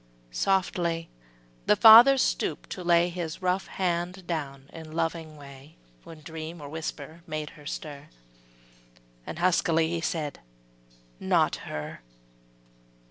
Softly the father stooped to lay His rough hand down in loving way, When dream or whisper made her stir, And huskily he said: ``Not her!''